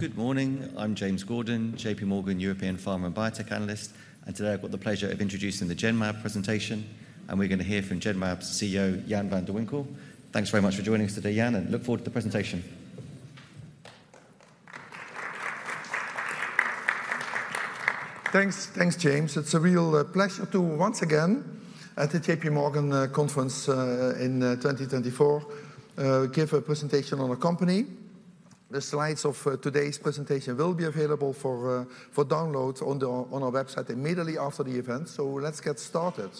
Good morning, I'm James Gordon, JPMorgan European Pharma and Biotech analyst and today I've got the pleasure of introducing the Genmab presentation and we're gonna hear from Genmab's CEO Jan van de Winkel. Thanks very much for joining us today Jan and look forward to the presentation. Thanks. James. It's a real pleasure to once again at the JPMorgan conference in 2024 give a presentation on our company. The slides of today's presentation will be available for download on our website immediately after the event, so let's get started.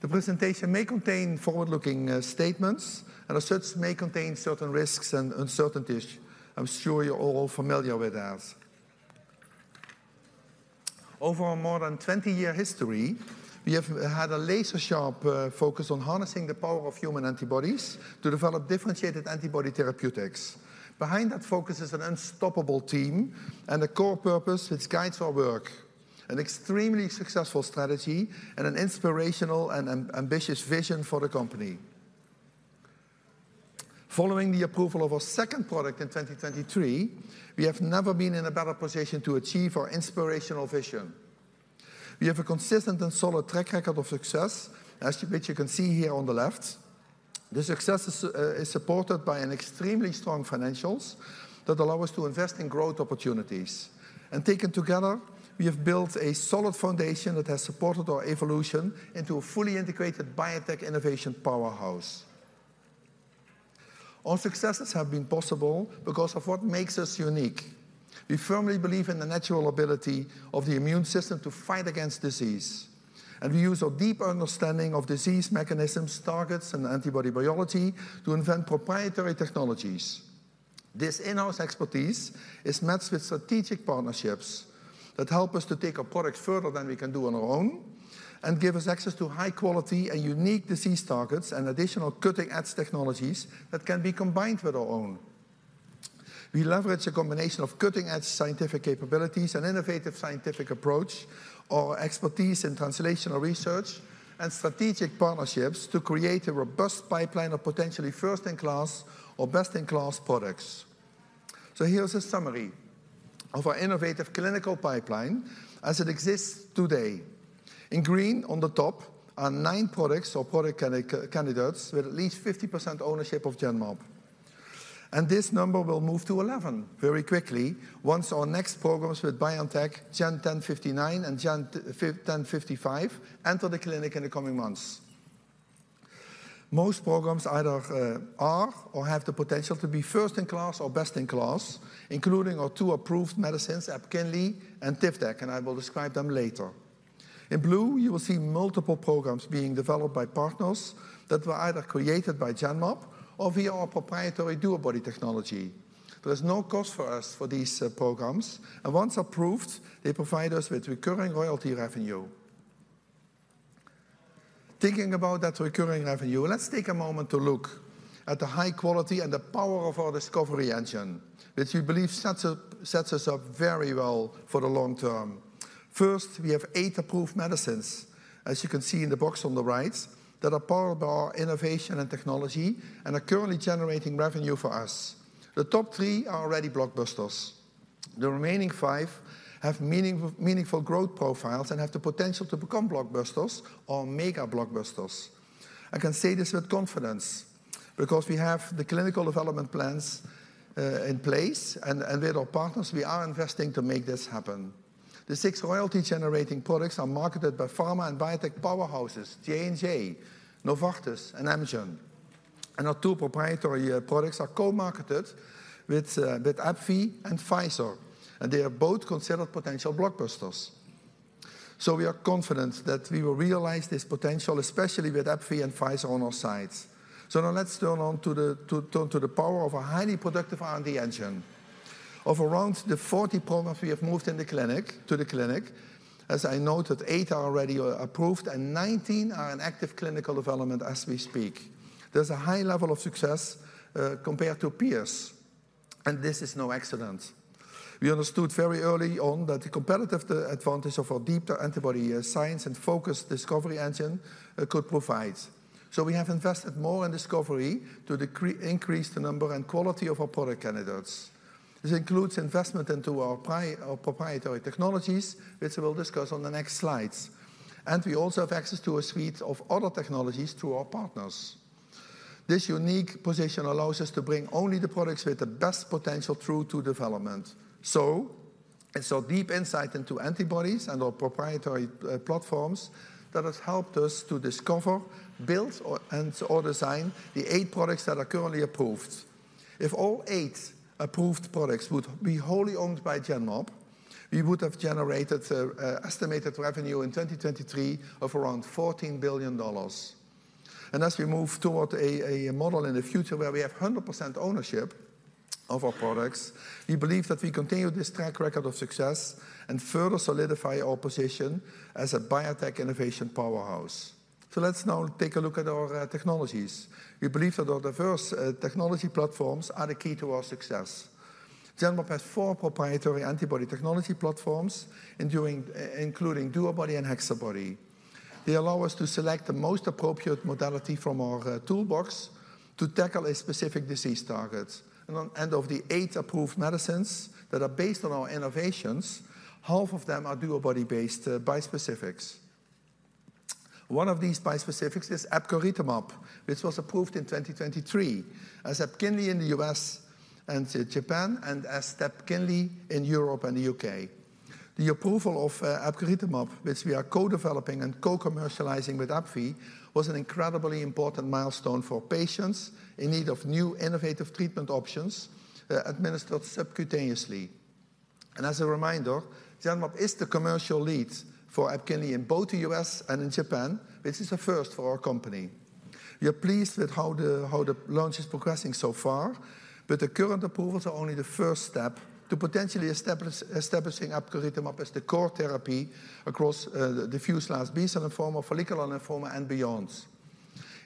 The presentation may contain forward-looking statements and as such may contain certain risks and uncertainties. I'm sure you're all familiar with that. Over more than 20-year history, we have had a laser-sharp focus on harnessing the power of human antibodies to develop differentiated antibody therapeutics. Behind that focus is an unstoppable team and a core purpose which guides our work an extremely successful strategy and an inspirational and ambitious vision for the company. Following the approval of our second product in 2023, we have never been in a better position to achieve our inspirational vision. We have a consistent and solid track record of success, as which you can see here on the left. The success is supported by an extremely strong financials that allow us to invest in growth opportunities and taken together, we have built a solid foundation that has supported our evolution into a fully integrated biotech innovation powerhouse. Our successes have been possible because of what makes us unique. We firmly believe in the natural ability of the immune system to fight against disease and we use our deeper understanding of disease mechanisms, targets and antibody biology to invent proprietary technologies. This in-house expertise is matched with strategic partnerships that help us to take our products further than we can do on our own and give us access to high quality and unique disease targets and additional cutting-edge technologies that can be combined with our own. We leverage a combination of cutting-edge scientific capabilities and innovative scientific approach, our expertise in translational research and strategic partnerships to create a robust pipeline of potentially first-in-class or best-in-class products. Here is a summary of our innovative clinical pipeline as it exists today. In green, on the top are 9 products or product candidates with at least 50% ownership of Genmab and this number will move to 11 very quickly once our next programs with BioNTech, GEN1059 and GEN1055, enter the clinic in the coming months. Most programs either are or have the potential to be first-in-class or best-in-class including our two approved medicines, EPKINLY and TIVDAK and I will describe them later. In blue, you will see multiple programs being developed by partners that were either created by Genmab or via our proprietary DuoBody technology. There is no cost for us for these programs and once approved, they provide us with recurring royalty revenue. Thinking about that recurring revenue, let's take a moment to look at the high quality and the power of our discovery engine, which we believe sets us up very well for the long term. First, we have eight approved medicines, as you can see in the box on the righ that are part of our innovation and technology and are currently generating revenue for us. The top three are already blockbusters. The remaining five have meaningful growth profiles and have the potential to become blockbusters or mega blockbusters. I can say this with confidence because we have the clinical development plans in place and with our partners, we are investing to make this happen. The six royalty-generating products are marketed by pharma and biotech powerhouses, J&J, Novartis and Amgen. Our two proprietary products are co-marketed with AbbVie and Pfizer and they are both considered potential blockbusters. So we are confident that we will realize this potential, especially with AbbVie and Pfizer on our sides. So now let's turn to the power of a highly productive R&D engine. Of around the 40 programs we have moved to the clinic as I noted eight are already approved and 19 are in active clinical development as we speak. There's a high level of success compared to peers and this is no accident. We understood very early on that the competitive advantage of our deeper antibody science and focused discovery engine could provide. So we have invested more in discovery to increase the number and quality of our product candidates. This includes investment into our proprietary technologies, which we'll discuss on the next slides and we also have access to a suite of other technologies through our partners. This unique position allows us to bring only the products with the best potential through to development. It's our deep insight into antibodies and our proprietary platforms that has helped us to discover, build or design the eight products that are currently approved. If all eight approved products would be wholly owned by Genmab, we would have generated estimated revenue in 2023 of around $14 billion and as we move toward a model in the future where we have 100% ownership of our products, we believe that we continue this track record of success and further solidify our position as a biotech innovation powerhouse. So let's now take a look at our technologies. We believe that our diverse technology platforms are the key to our success. Genmab has four proprietary antibody technology platforms, including DuoBody and HexaBody. They allow us to select the most appropriate modality from our toolbox to tackle a specific disease target and of the eight approved medicines that are based on our innovations, half of them are DuoBody-based bispecifics. One of these bispecifics is epcoritamab, which was approved in 2023 as EPKINLY in the U.S. and Japan and as TEPKINLY in Europe and the U.K. The approval of epcoritamab, which we are co-developing and co-commercializing with AbbVie, was an incredibly important milestone for patients in need of new innovative treatment options administered subcutaneously. As a reminder, Genmab is the commercial lead for EPKINLY in both the U.S. and in Japan, which is a first for our company. We are pleased with how the launch is progressing so far but the current approvals are only the first step to potentially establishing epcoritamab as the core therapy across diffuse large B-cell lymphoma, follicular lymphoma and beyond.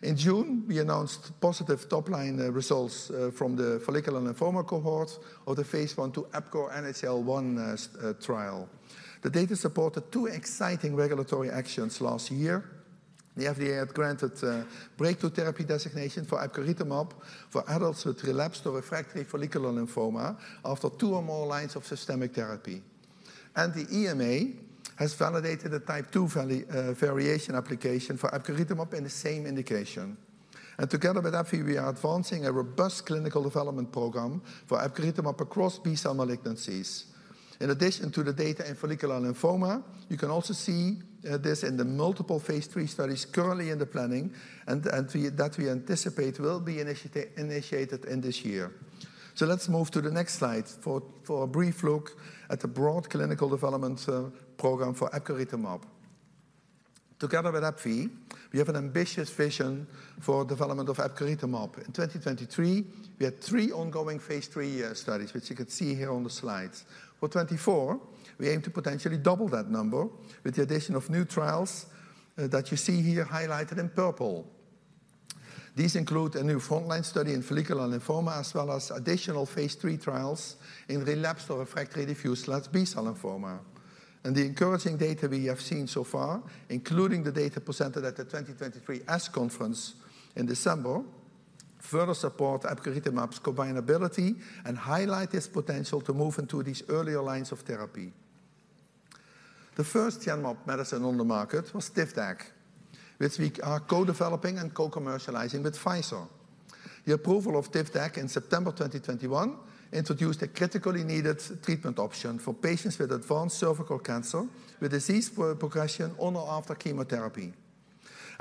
In June, we announced positive top-line results from the follicular lymphoma cohort of the Phase 1/2 EPCORE NHL-1 trial. The data supported 2 exciting regulatory actions last year. The FDA had granted breakthrough therapy designation for epcoritamab for adults with relapsed or refractory follicular lymphoma after 2 or more lines of systemic therapy. The EMA has validated a Type II variation application for epcoritamab in the same indication. Together with AbbVie, we are advancing a robust clinical development program for epcoritamab across B-cell malignancies. In addition to the data in follicular lymphoma, you can also see this in the multiple Phase III studies currently in the planning and that we anticipate will be initiated in this year. So let's move to the next slide for a brief look at the broad clinical development program for epcoritamab. Together with AbbVie, we have an ambitious vision for development of epcoritamab. In 2023, we had three ongoing Phase III studies, which you can see here on the slides. For 2024, we aim to potentially double that number with the addition of new trials, uh, that you see here highlighted in purple. These include a new frontline study in Follicular Lymphoma as well as additional Phase III trials in relapsed or refractory Diffuse Large B-Cell lymphoma and the encouraging data we have seen so far, including the data presented at the 2023 ASH Conference in December, further support epcoritamab's combinability and highlight its potential to move into these earlier lines of therapy. The first Genmab medicine on the market was TIVDAK, which we are co-developing and co-commercializing with Pfizer. The approval of TIVDAK in September 2021 introduced a critically needed treatment option for patients with advanced cervical cancer, with disease progression on or after chemotherapy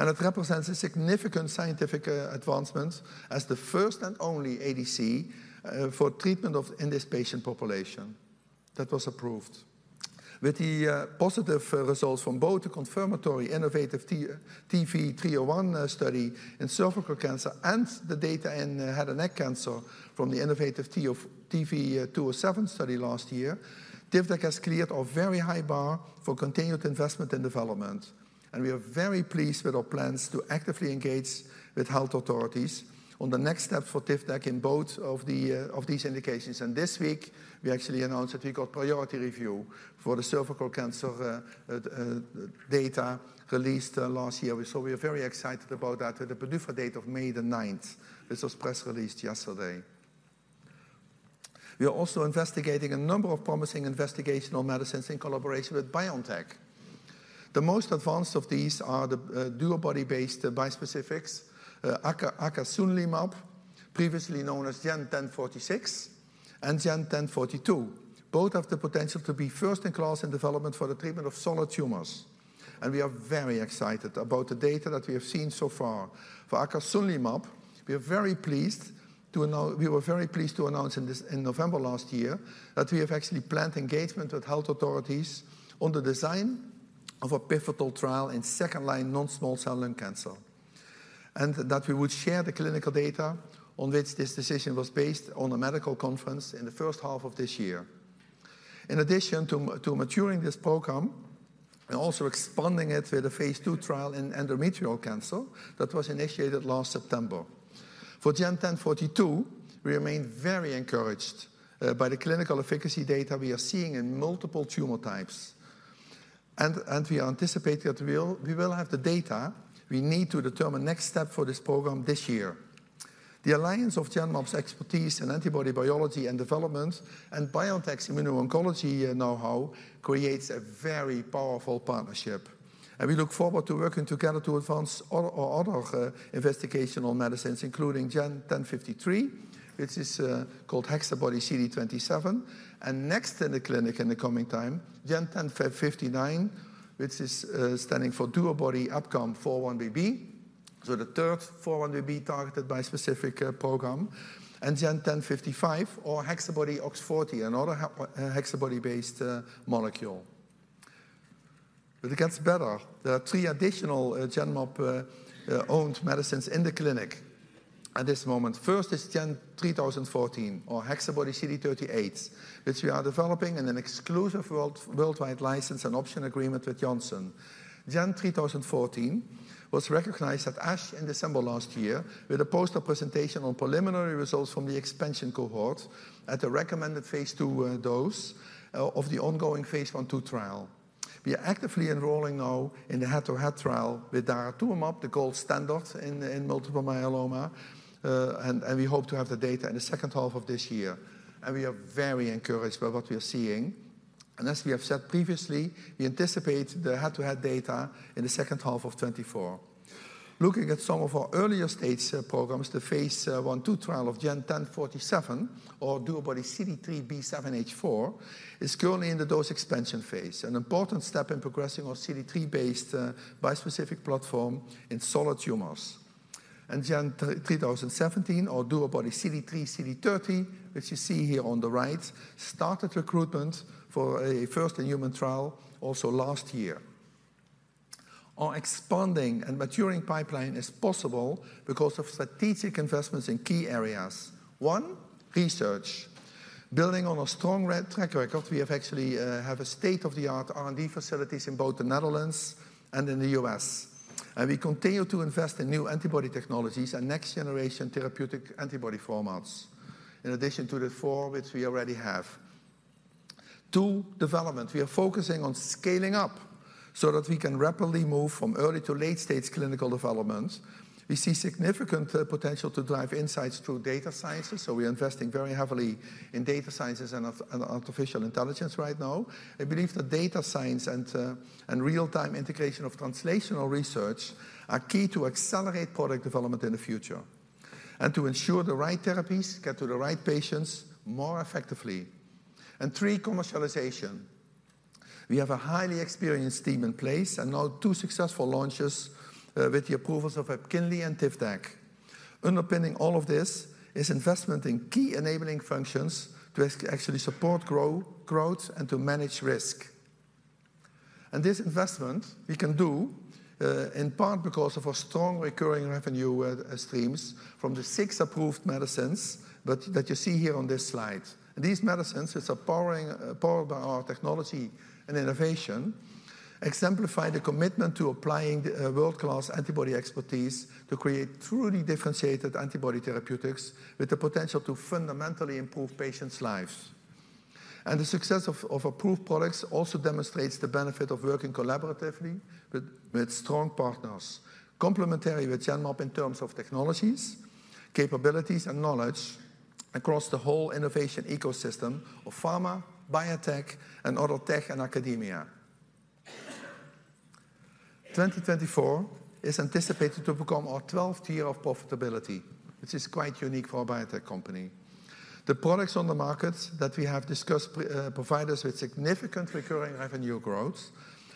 and it represents a significant scientific advancement as the first and only ADC for treatment of in this patient population that was approved. With the positive results from both the confirmatory innovaTV 301 study in cervical cancer and the data in head and neck cancer from the innovaTV 207 study last year, TIVDAK has cleared a very high bar for continued investment and development and we are very pleased with our plans to actively engage with health authorities on the next step for TIVDAK in both of the of these indications. This week, we actually announced that we got priority review for the cervical cancer data released last year. So we are very excited about that with a PDUFA date of May 9th. This was press released yesterday. We are also investigating a number of promising investigational medicines in collaboration with BioNTech. The most advanced of these are the DuoBody-based bispecifics, acasunlimab, previously known as GEN1046 and GEN1042. Both have the potential to be first-in-class in development for the treatment of solid tumors and we are very excited about the data that we have seen so far. For acasunlimab, we are very pleased to announce—we were very pleased to announce in November last year, that we have actually planned engagement with health authorities on the design of a pivotal trial in second-line non-small cell lung cancer and that we would share the clinical data on which this decision was based on a medical conference in the first half of this year. In addition to maturing this program and also expanding it with a Phase II trial in endometrial cancer, that was initiated last September. For GEN1042, we remain very encouraged by the clinical efficacy data we are seeing in multiple tumor types and we anticipate that we will have the data we need to determine next step for this program this year. The alliance of Genmab's expertise in antibody biology and development and BioNTech's immuno-oncology know-how creates a very powerful partnership and we look forward to working together to advance other investigational medicines, including GEN1053, which is called HexaBody-CD27 and next in the clinic in the coming time, GEN1059, which is standing for DuoBody-EpCAMx4-1BB, so the third 4-1BB targeted bispecific program and GEN1055 or HexaBody-OX40, another HexaBody-based molecule. But it gets better. There are three additional Genmab owned medicines in the clinic at this moment. First is GEN3014 or HexaBody-CD38, which we are developing in an exclusive worldwide license and option agreement with Janssen. GEN3014 was recognized at ASH in December last year with a poster presentation on preliminary results from the expansion cohort at the recommended Phase II dose of the ongoing Phase I/II trial. We are actively enrolling now in the head-to-head trial with daratumumab, the gold standard in multiple myeloma and we hope to have the data in the second half of this year and we are very encouraged by what we are seeing. As we have said previously, we anticipate the head-to-head data in the second half of 2024. Looking at some of our earlier-stage programs, the Phase I/II trial of GEN1047 or DuoBody-CD3xB7H4 is currently in the dose expansion Phase an important step in progressing our CD3-based bispecific platform in solid tumors. GEN3017, or DuoBody-CD3xCD30, which you see here on the right, started recruitment for a first-in-human trial also last year. Our expanding and maturing pipeline is possible because of strategic investments in key areas. One, research. Building on a strong track record, we have actually have a state-of-the-art R&D facilities in both the Netherlands and in u.s and we continue to invest in new antibody technologies and next-generation therapeutic antibody formats, in addition to the four which we already have. Two, development. We are focusing on scaling up so that we can rapidly move from early to late stage clinical development. We see significant potential to drive insights through data sciences, so we are investing very heavily in data sciences and artificial intelligence right now. I believe that data science and real-time integration of translational research are key to accelerate product development in the future and to ensure the right therapies get to the right patients more effectively and three, commercialization. We have a highly experienced team in place and now two successful launches with the approvals of EPKINLY and TIVDAK. Underpinning all of this is investment in key enabling functions to actually support growth and to manage risk and this investment we can do in part because of our strong recurring revenue streams from the six approved medicines that you see here on this slide. These medicines, which are powered by our technology and innovation, exemplify the commitment to applying the world-class antibody expertise to create truly differentiated antibody therapeutics with the potential to fundamentally improve patients' lives. The success of approved products also demonstrates the benefit of working collaboratively with strong partners, complementary with Genmab in terms of technologies, capabilities and knowledge across the whole innovation ecosystem of pharma, biotech and other tech and academia. 2024 is anticipated to become our twelfth year of profitability, which is quite unique for a biotech company. The products on the market that we have discussed provide us with significant recurring revenue growth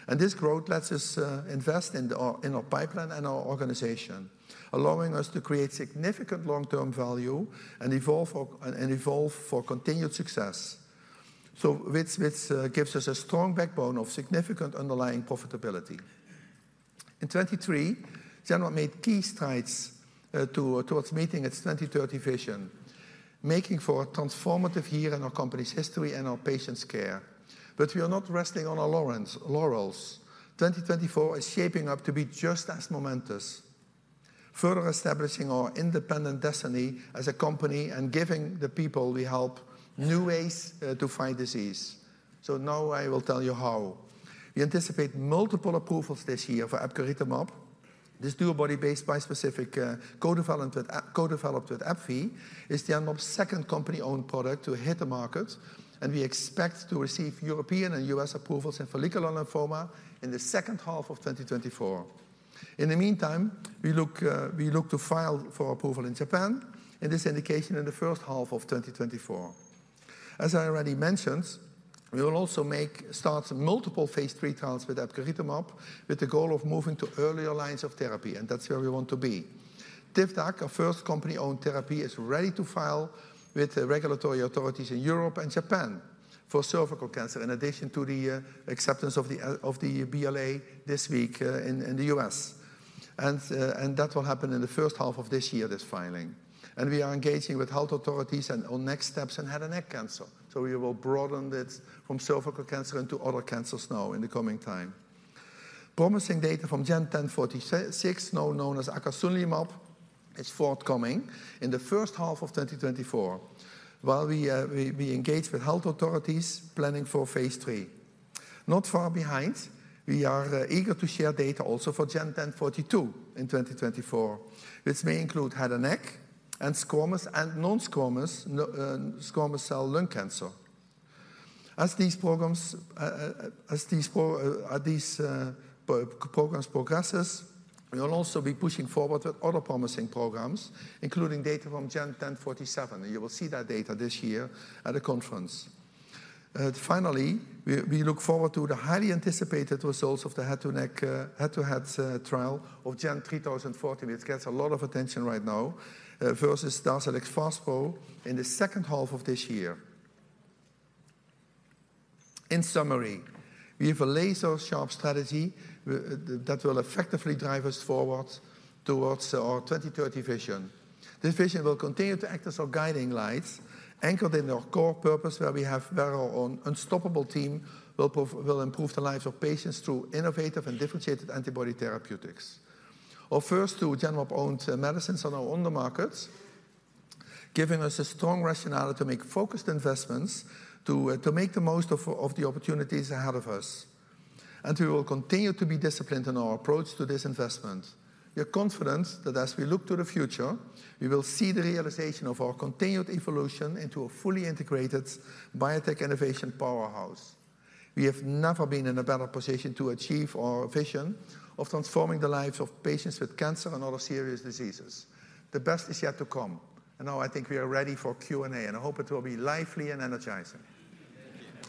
and this growth lets us invest in our pipeline and our organization, allowing us to create significant long-term value and evolve for continued success. So, which gives us a strong backbone of significant underlying profitability. In 2023, Genmab made key strides towards meeting its 2030 vision, making for a transformative year in our company's history and our patients' care. We are not resting on our laurels. 2024 is shaping up to be just as momentous, further establishing our independent destiny as a company and giving the people we help new ways to fight disease. So now I will tell you how. We anticipate multiple approvals this year for epcoritamab. This DuoBody-based bispecific co-developed with AbbVie is Genmab's second company-owned product to hit the market and we expect to receive European and U.S. approvals in follicular lymphoma in the second half of 2024. In the meantime, we look to file for approval in Japan in this indication in the first half of 2024. As I already mentioned, we will also start multiple Phase III trials with epcoritamab, with the goal of moving to earlier lines of therapy and that's where we want to be. TIVDAK, our first company-owned therapy, is ready to file with the regulatory authorities in Europe and Japan for cervical cancer, in addition to the acceptance of the BLA this week in the us and that will happen in the first half of this year, this filing. We are engaging with health authorities on next steps in head and neck cancer, so we will broaden this from cervical cancer into other cancers now in the coming time. Promising data from GEN1046 now known as acasunlimab, is forthcoming in the first half of 2024 while we engage with health authorities planning for Phase III. Not far behind, we are eager to share data also for GEN1042 in 2024, which may include head and neck and squamous and non-squamous non-small cell lung cancer. As these programs progresses, we will also be pushing forward with other promising programs, including data from gen1047 and you will see that data this year at a conference. Finally, we look forward to the highly anticipated results of the head-to-head trial of GEN3014, which gets a lot of attention right now, versus DARZALEX FASPRO in the second half of this year. In summary, we have a laser-sharp strategy, that will effectively drive us forward towards our 2030 vision. This vision will continue to act as our guiding light, anchored in our core purpose, where our own unstoppable team will improve the lives of patients through innovative and differentiated antibody therapeutics. Our first two Genmab-owned medicines are now on the market, giving us a strong rationale to make focused investments to to make the most of of the opportunities ahead of us and we will continue to be disciplined in our approach to this investment. We are confident that as we look to the future, we will see the realization of our continued evolution into a fully integrated biotech innovation powerhouse. We have never been in a better position to achieve our vision of transforming the lives of patients with cancer and other serious diseases. The best is yet to come and now we are ready for Q&A and I hope it will be lively and energizing. Do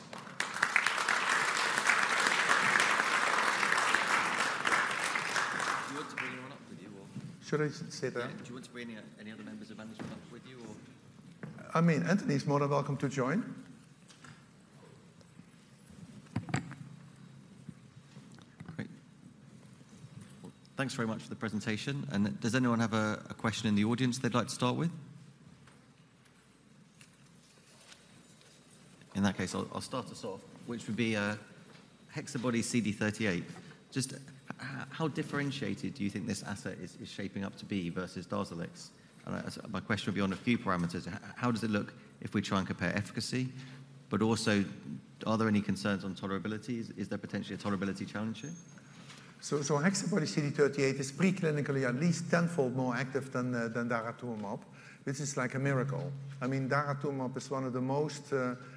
you want to bring anyone up with you, or? Should I sit down? Do you want to bring any other members of management up with you, or? Anthony is more than welcome to join. Great, thanks very much for the presentation and does anyone have a question in the audience they'd like to start with? In that case, I'll start us off, which would be HexaBody-CD38. Just how differentiated do you think this asset is shaping up to be versus DARZALEX? And my question will be on a few parameters. How does it look if we try and compare efficacy? But also, are there any concerns on tolerability? Is there potentially a tolerability challenge here? HexaBody-CD38 is pre-clinically at least tenfold more active than daratumumab. This is like a miracle. Daratumumab is one of the most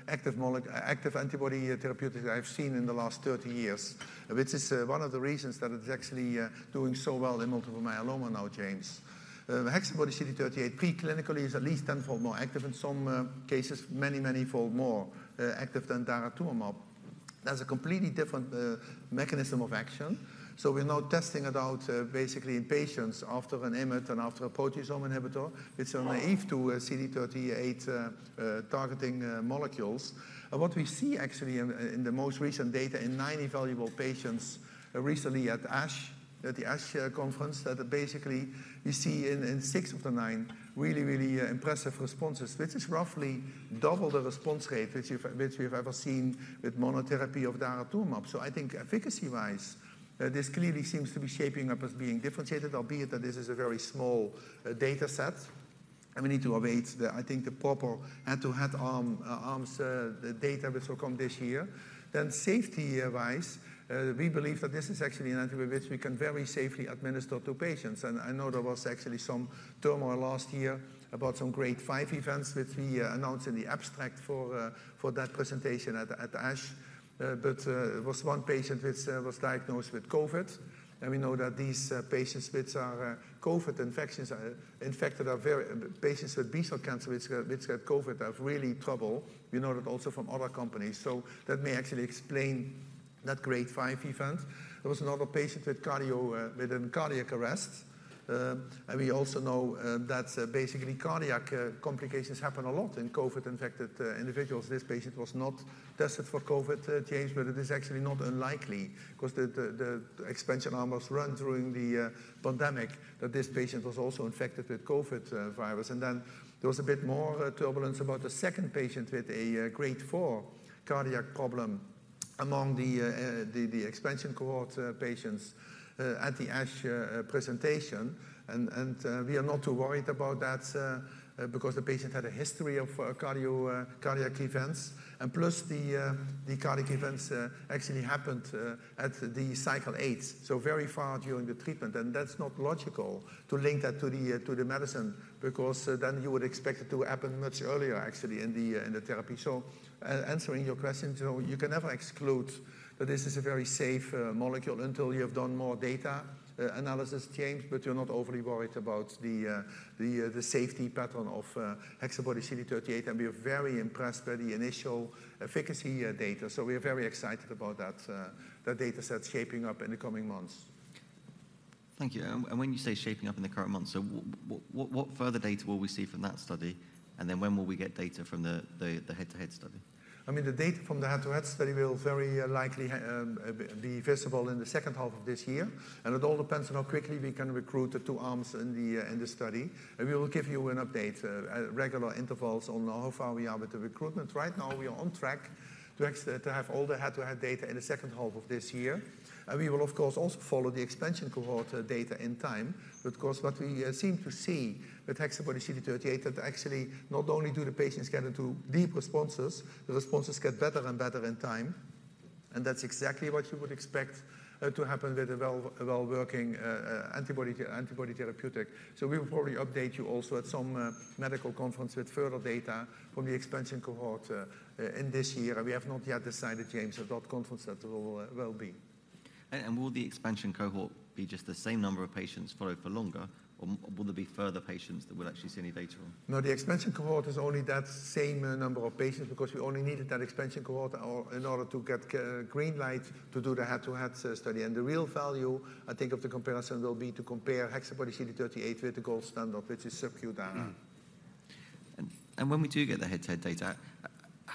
active antibody therapeutics I've seen in the last 30 years, which is one of the reasons that it is actually doing so well in multiple myeloma now, James. HexaBody-CD38 pre-clinically is at least tenfold more active, in some cases, many, many-fold more active than daratumumab. That's a completely different mechanism of action, so we're now testing it out basically in patients after an IMiD and after a proteasome inhibitor. It's naïve to CD38 targeting molecules. What we see actually in the most recent data in 90 evaluable patients, recently at the ASH conference, that basically we see in 6 of the 9, really, really impressive responses. This is roughly double the response rate which we've ever seen with monotherapy of daratumumab. Efficacy-wise, this clearly seems to be shaping up as being differentiated, albeit that this is a very small data set and we need to await the proper head-to-head arms data, which will come this year. Then safety-wise, we believe that this is actually an antibody which we can very safely administer to patients. There was actually some turmoil last year about some Grade five events, which we announced in the abstract for that presentation at the ASH. But it was one patient which was diagnosed with COVID and we know that these patients which are COVID infections are infected are very patients with B-cell cancer which which got COVID are really trouble. We know that also from other companies, so that may actually explain that Grade five event. There was another patient with cardio with a cardiac arrest and we also know that basically cardiac complications happen a lot in COVID-infected individuals. This patient was not tested for COVID, james but it is actually not unlikely because the expansion arm was run during the pandemic, that this patient was also infected with COVID virus and then there was a bit more turbulence about a second patient with a Grade 4 cardiac problem among the expansion cohort patients at the ASH presentation. We are not too worried about that because the patient had a history of cardiac events and plus, the cardiac events actually happened at the cycle 8, so very far during the treatment. That's not logical to link that to the medicine, because then you would expect it to happen much earlier, actually, in the therapy. Answering your question, you can never exclude that this is a very safe molecule until you have done more data analysis, james but you're not overly worried about the safety pattern of HexaBody-CD38 and we are very impressed by the initial efficacy data, so we are very excited about that data set shaping up in the coming months. Thank you and when you say shaping up in the current months, so what further data will we see from that study? And then when will we get data from the head-to-head study? The data from the head-to-head study will very likely be visible in the second half of this year and it all depends on how quickly we can recruit the two arms in the, in the study and we will give you an update at regular intervals on how far we are with the recruitment. Right now, we are on track to have all the head-to-head data in the second half of this year and we will, of course, also follow the expansion cohort data in time, because what we seem to see with HexaBody-CD38, that actually not only do the patients get into deep responses, the responses get better and better in time and that's exactly what you would expect to happen with a well, a well-working antibody therapeutic. We will probably update you also at some medical conference with further data from the expansion cohort in this year. We have not yet decided, James, at what conference that will be. Will the expansion cohort be just the same number of patients followed for longer, or will there be further patients that we'll actually see any data on? No, the expansion cohort is only that same number of patients, because we only needed that expansion cohort in order to get the green light to do the head-to-head study. The real value of the comparison will be to compare HexaBody-CD38 with the gold standard, which is Darzalex. When we do get the head-to-head data,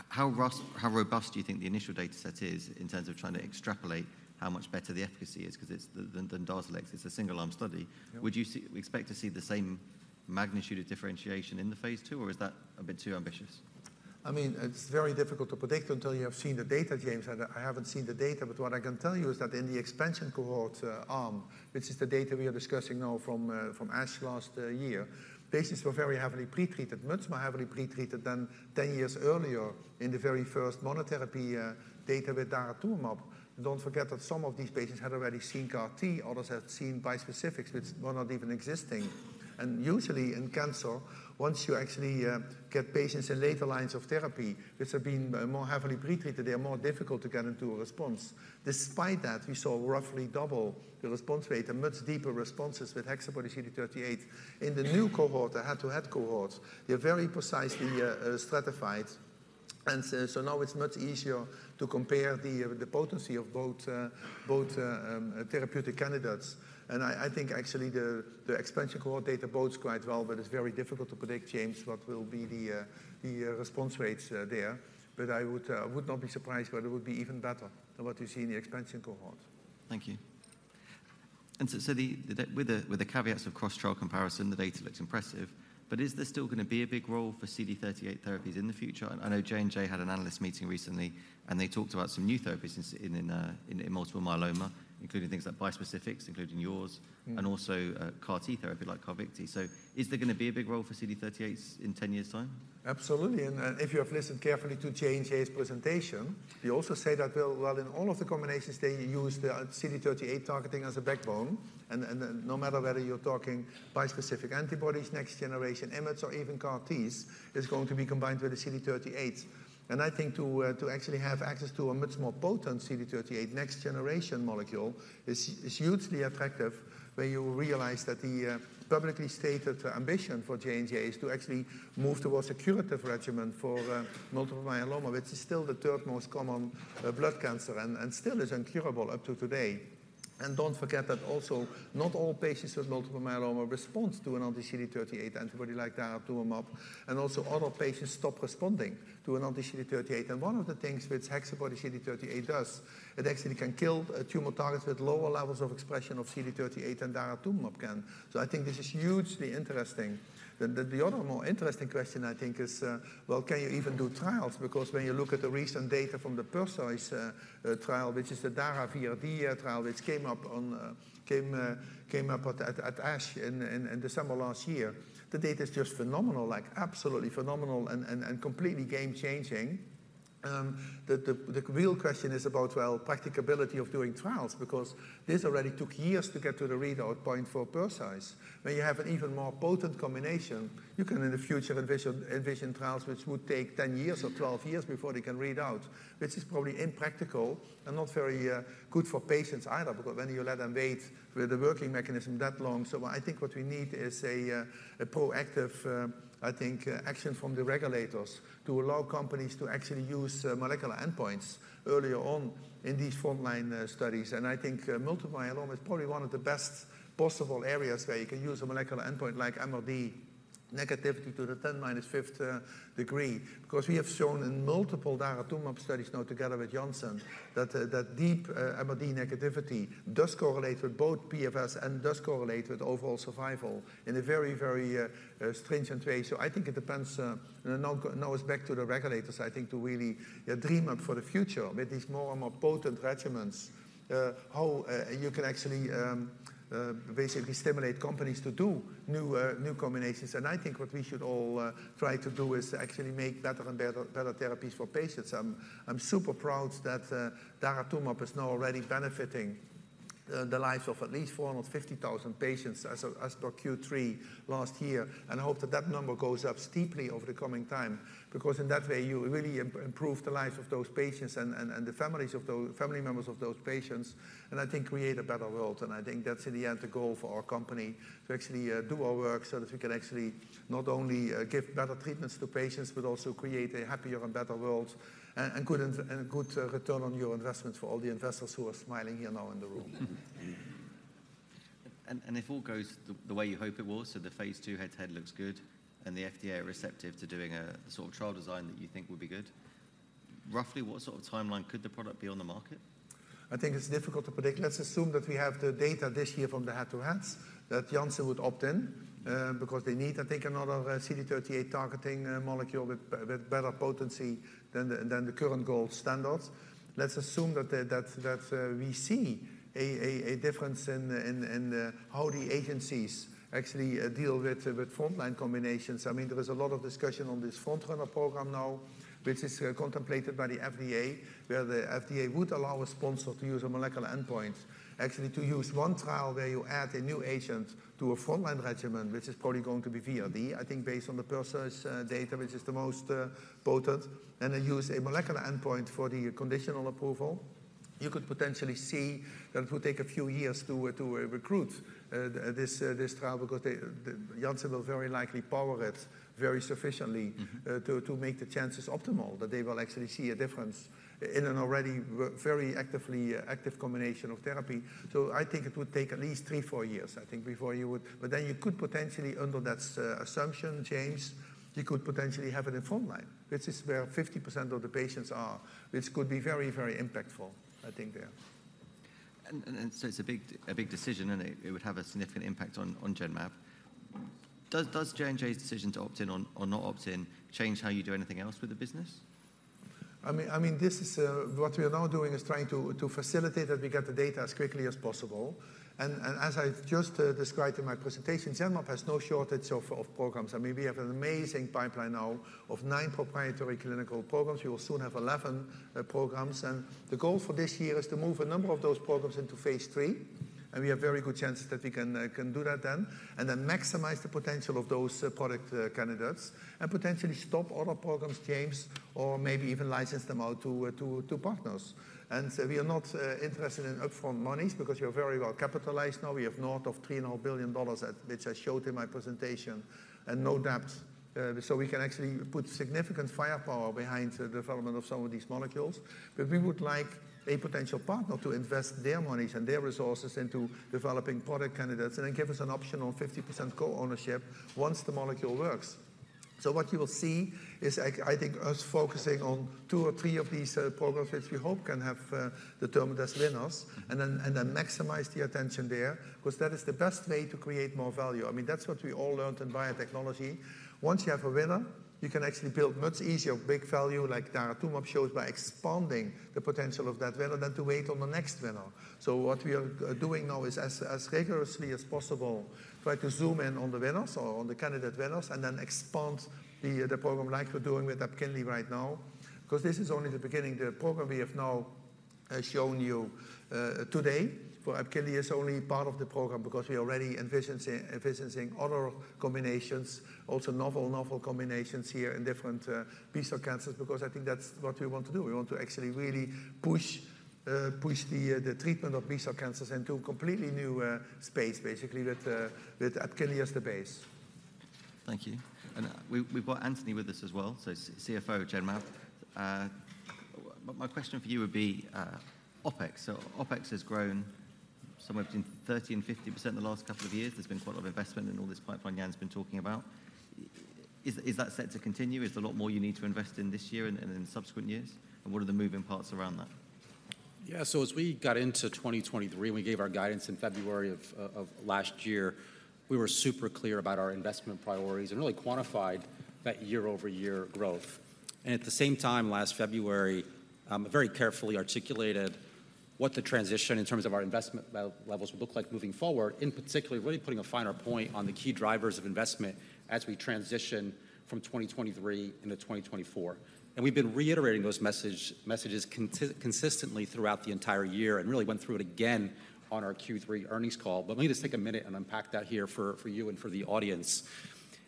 how rough, how robust do you think the initial data set is in terms of trying to extrapolate how much better the efficacy is? 'Cause it's than DARZALEX, it's a single arm study. Would you expect to see the same magnitude of differentiation in the Phase II or is that a bit too ambitious? It's very difficult to predict until you have seen the data, james and I haven't seen the data. But what I can tell you is that in the expansion cohort, arm, which is the data we are discussing now from, from ASH last year, patients were very heavily pretreated, much more heavily pretreated than 10 years earlier in the very first monotherapy, data with daratumumab. Don't forget that some of these patients had already seen CAR T, others had seen bispecifics, which were not even existing and usually in cancer, once you actually, get patients in later lines of therapy, which have been more heavily pretreated, they are more difficult to get into a response. Despite that, we saw roughly double the response rate and much deeper responses with HexaBody-CD38. In the new cohort, the head-to-head cohort, they're very precisely stratified. Now it's much easier to compare the potency of both therapeutic candidates and actually the expansion cohort data bodes quite well but it's very difficult to predict, James, what will be the response rates there. But I would not be surprised whether it would be even better than what you see in the expansion cohort. Thank you. With the caveats of cross-trial comparison, the data looks impressive but is there still gonna be a big role for CD38 therapies in the future? I know J&J had an analyst meeting recently and they talked about some new therapies in multiple myeloma, including things like bispecifics, including yours and also CAR T therapy like CARVYKTI. So is there gonna be a big role for CD38s in ten years' time? Absolutely, if you have listened carefully to J&J's presentation, they also say that, well, in all of the combinations, they use the CD38 targeting as a backbone and no matter whether you're talking bispecific antibodies, next-generation IMiDs, or even CAR Ts, it's going to be combined with a CD38 and to actually have access to a much more potent CD38 next-generation molecule is hugely effective when you realize that the publicly stated ambition for J&J is to actually move towards a curative regimen for multiple myeloma, which is still the third most common blood cancer and still is incurable up to today and don't forget that also, not all patients with multiple myeloma responds to an anti-CD38 antibody like daratumumab and also other patients stop responding to an anti-CD38. One of the things which HexaBody-CD38 does, it actually can kill tumor targets with lower levels of expression of CD38 than daratumumab can. This is hugely interesting. The other more interesting question is well, can you even do trials? Because when you look at the recent data from the PERSEUS trial, which is the dara-VRd trial, which came up at ASH in December last year, the data is just phenomenal, like absolutely phenomenal and completely game-changing. The real question is about well, practicability of doing trials, because this already took years to get to the readout point for PERSEUS. When you have an even more potent combination, you can, in the future, envision trials which would take 10 years or 12 years before they can read out, which is probably impractical and not very good for patients either, because when you let them wait with a working mechanism that long. What we need is a proactive action from the regulators to allow companies to actually use molecular endpoints earlier on in these frontline studies and multiple myeloma is probably one of the best possible areas where you can use a molecular endpoint like MRD negativity to the 10^-5 degree. Because we have shown in multiple daratumumab studies now together with Janssen, that that deep MRD negativity does correlate with both PFS and does correlate with overall survival in a very, very stringent way. It depends now it's back to the regulators to really dream up for the future with these more and more potent regimens how you can actually basically stimulate companies to do new new combinations and what we should all try to do is actually make better and better, better therapies for patients. I'm super proud that daratumumab is now already benefiting the lives of at least 450,000 patients as of, as per Q3 last year. I hope that that number goes up steeply over the coming time, because in that way, you really improve the lives of those patients and the families of those family members of those patients and create a better world and that's in the end, the goal for our company: to actually do our work so that we can actually not only give better treatments to patients but also create a happier and better world and a good return on your investments for all the investors who are smiling here now in the room. If all goes the way you hope it will be the Phase II head-to-head looks good and the FDA is receptive to doing a trial design that you think would be good, roughly what timeline could the product be on the market? Iit's difficult to predict. Let's assume that we have the data this year from the head-to-heads, that Janssen would opt in, because they need another CD38 targeting molecule with better potency than the current gold standard. Let's assume that we see a difference in how the agencies actually deal with frontline combinations. There is a lot of discussion on this frontrunner program now, which is contemplated by the FDA, where the FDA would allow a sponsor to use a molecular endpoint, actually to use one trial where you add a new agent to a frontline regimen, which is probably going to be VRd based on the PERSEUS data, which is the most potent and then use a molecular endpoint for the conditional approval. You could potentially see that it will take a few years to recruit this trial because they, the Janssen will very likely power it very sufficiently- To make the chances optimal that they will actually see a difference in an already very actively active combination of therapy. It would take at least 3, 4 years before you would but then you could potentially under that assumption, James, you could potentially have it in front line, which is where 50% of the patients are, which could be very impactful there. It's a big decision and it would have a significant impact on Genmab. Does J&J's decision to opt in on or not opt in change how you do anything else with the business? This is what we are now doing is trying to facilitate that we get the data as quickly as possible and as I just described in my presentation, Genmab has no shortage of programs. We have an amazing pipeline now of nine proprietary clinical programs. We will soon have eleven programs and the goal for this year is to move a number of those programs into Phase III and we have very good chances that we can do that then and then maximize the potential of those product candidates and potentially stop other programs James or maybe even license them out to partners and we are not interested in upfront money because we are very well capitalized now. We have north of $3.5 billion, which I showed in my presentation and no debts. So we can actually put significant firepower behind the development of some of these molecules. But we would like a potential partner to invest their monies and their resources into developing product candidates and then give us an option on 50% co-ownership once the molecule works. So what you will see is us focusing on two or three of these programs, which we hope can have determined as winners and then maximize the attention there, because that is the best way to create more value. That's what we all learned in biotechnology. Once you have a winner, you can actually build much easier, big value, like daratumumab shows, by expanding the potential of that winner than to wait on the next winner. So what we are doing now is as rigorously as possible try to zoom in on the winners or on the candidate winners and then expand the program like we're doing with EPKINLY right now, because this is only the beginning. The program we have now shown you today for EPKINLY is only part of the program because we already envisioning other combinations, also novel combinations here in different B-cell cancers, because that's what we want to do. We want to actually really push the treatment of B-cell cancers into a completely new space basically with EPKINLY as the base. Thank you and we've got Anthony with us as well, so CFO of Genmab. My question for you would be OpEx. So OpEx has grown somewhere between 30%-50% in the last couple of years. There's been quite a lot of investment in all this pipeline Jan's been talking about. Is that set to continue? Is there a lot more you need to invest in this year and in subsequent years? And what are the moving parts around that? As we got into 2023 and we gave our guidance in February of, of last year, we were super clear about our investment priorities and really quantified that year-over-year growth. At the same time last February, very carefully articulated what the transition in terms of our investment levels would look like moving forward and particularly, really putting a finer point on the key drivers of investment as we transition from 2023 into 2024 and we've been reiterating those messages consistently throughout the entire year and really went through it again on our Q3 earnings call. But let me just take a minute and unpack that here for, for you and for the audience.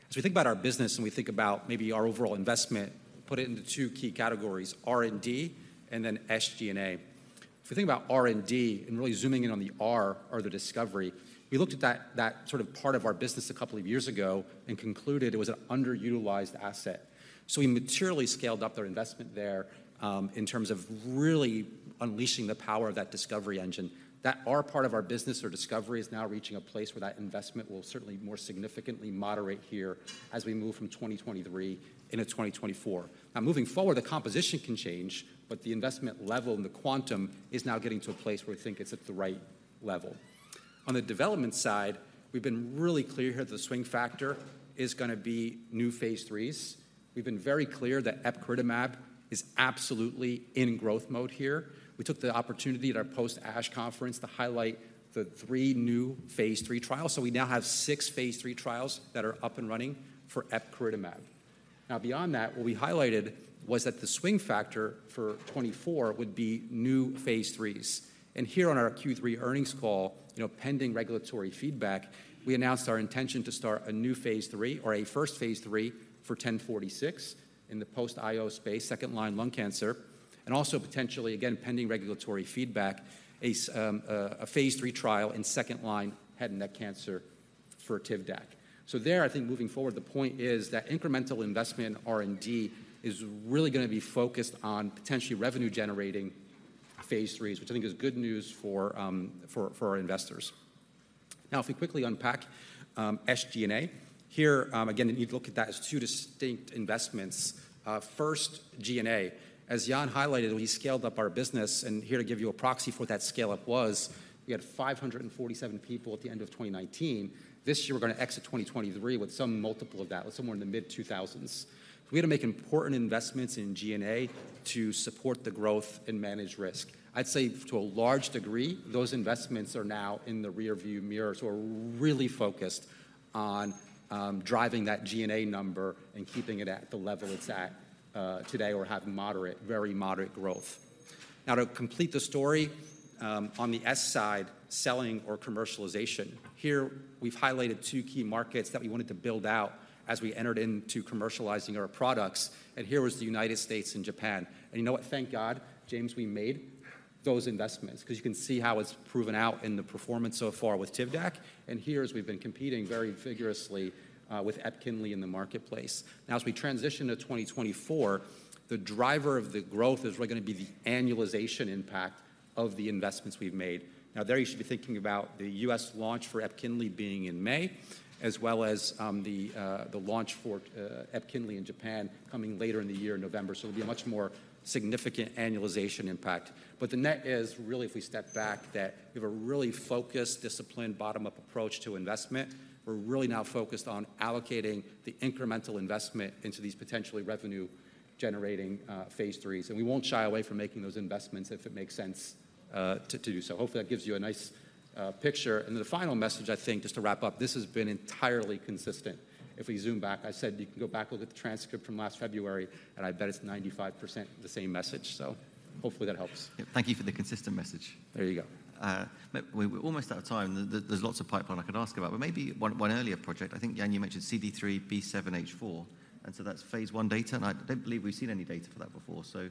As we think about our business and we think about maybe our overall investment, put it into two key categories: R&D and then SG&A. If we think about R&D and really zooming in on the R or the discovery we looked at that part of our business a couple of years ago and concluded it was an underutilized asset. So we materially scaled up their investment there, in terms of really unleashing the power of that discovery engine. That R part of our business or discovery is now reaching a place where that investment will certainly more significantly moderate here as we move from 2023 into 2024. Now, moving forward, the composition can change but the investment level and the quantum is now getting to a place where we think it's at the right level. On the development side, we've been really clear here the swing factor is gonna be new Phase IIIs. We've been very clear that epcoritamab is absolutely in growth mode here. We took the opportunity at our post-ASH conference to highlight the 3 new Phase III trials, we now have 6 Phase III trials that are up and running for epcoritamab. Now, beyond that, what we highlighted was that the swing factor for 2024 would be new Phase IIIs. Here on our Q3 earnings call pending regulatory feedback, we announced our intention to start a new Phase III or a first Phase III for 1046 in the post-IO space, second-line lung cancer and also potentially, again, pending regulatory feedback, a Phase III trial in second-line head and neck cancer for TIVDAK. There moving forward, the point is that incremental investment in R&D is really gonna be focused on potentially revenue-generating Phase IIIs, which is good news for our investors. Now, if we quickly unpack, SG&A, here, again, you'd look at that as two distinct investments. First, G&A. As Jan highlighted, we scaled up our business and here to give you a proxy for that scale-up was, we had 547 people at the end of 2019. This year, we're gonna exit 2023 with some multiple of that, with somewhere in the mid-2,000s. We had to make important investments in G&A to support the growth and manage risk. I'd say to a large degree, those investments are now in the rearview mirror. We're really focused on driving that G&A number and keeping it at the level it's at, today or have moderate, very moderate growth. Now to complete the story on the S side selling or commercialization. Here, we've highlighted two key markets that we wanted to build out as we entered into commercializing our products and here was the United States and Japan and you know what? Thank God, James, we made those investments, 'cause you can see how it's proven out in the performance so far with TIVDAK and here is we've been competing very vigorously with EPKINLY in the marketplace. Now, as we transition to 2024, the driver of the growth is really gonna be the annualization impact of the investments we've made. Now, there you should be thinking about the U.S. launch for EPKINLY being in May, as well as the launch for EPKINLY in Japan coming later in the year, in November, so it'll be a much more significant annualization impact. But the net is, really, if we step back, that we have a really focused, disciplined, bottom-up approach to investment. We're really now focused on allocating the incremental investment into these potentially revenue-generating, Phase IIIs and we won't shy away from making those investments if it makes sense to do so. Hopefully, that gives you a nice, picture and then the final message just to wrap up this has been entirely consistent. If we zoom back, I said you can go back look at the transcript from last february and I bet it's 95% the same message, so hopefully that helps. Thank you for the consistent message. There you go. We're almost out of time. There's lots of pipeline I could ask about but maybe one earlier project. Jan, you mentioned CD3 B7H4 and that's Phase I data and I don't believe we've seen any data for that before. So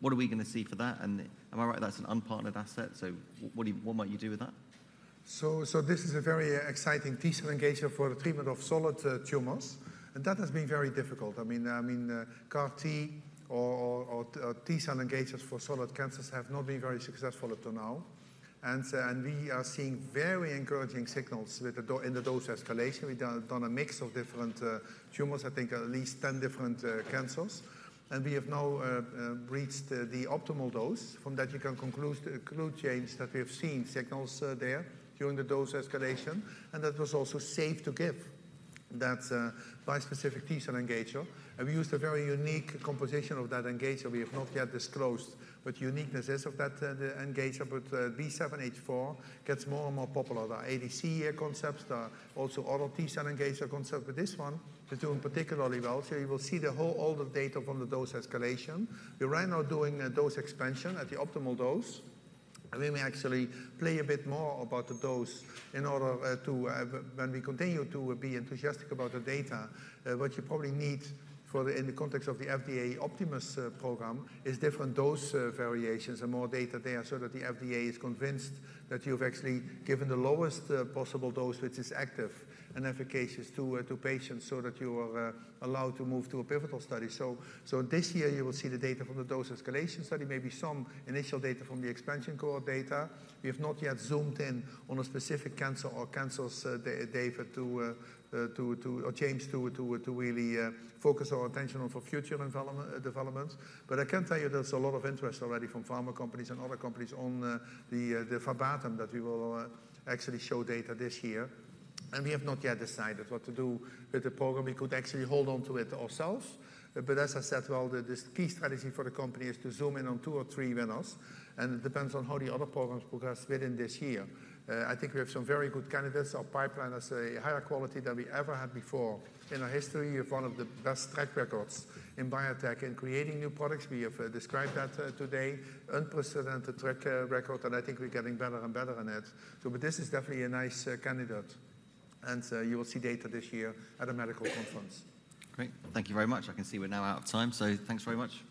what are we gonna see for that? And am I right, that's an unpartnered asset, what might you do with that? This is a very exciting T-cell engager for the treatment of solid tumors and that has been very difficult. CAR T or T-cell engagers for solid cancers have not been very successful until now and we are seeing very encouraging signals with the DuoBody in the dose escalation. We've done a mix of different tumors at least 10 different cancers and we have now reached the optimal dose. From that, we can conclude, James, that we have seen signals there during the dose escalation and that it was also safe to give that bispecific T-cell engager and we used a very unique composition of that engager. We have not yet disclosed what uniquenesses of that engager but B7H4 gets more and more popular. The ADC concepts, the also other T-cell engager concept but this one is doing particularly well. So you will see all the data from the dose escalation. We're right now doing a dose expansion at the optimal dose and we may actually play a bit more about the dose in order to. When we continue to be enthusiastic about the data, what you probably need for in the context of the FDA Optimus program is different dose variations and more data there, so that the FDA is convinced that you've actually given the lowest possible dose, which is active and efficacious to patients, so that you are allowed to move to a pivotal study. So this year you will see the data from the dose escalation study, maybe some initial data from the expansion cohort data. We have not yet zoomed in on a specific cancer or cancers data to or change to really focus our attention on for future developments. I can tell you there's a lot of interest already from pharma companies and other companies on the Verbatum that we will actually show data this year and we have not yet decided what to do with the program. We could actually hold on to it ourselves but as I said, well, the key strategy for the company is to zoom in on two or three winners and it depends on how the other programs progress within this year. We have some very good candidates. Our pipeline has a higher quality than we ever had before in our history. We have one of the best track records in biotech in creating new products. We have described that today, unprecedented track record and we're getting better and better on it. This is definitely a nice candidate and you will see data this year at a medical conference. Great. Thank you very much. I can see we're now out of time, so thanks very much.